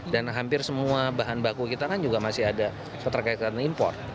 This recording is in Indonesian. dan hampir semua bahan baku kita kan juga masih ada keterkaitan impor